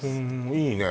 いいね